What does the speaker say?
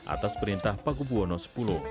atas perintah paku buwono x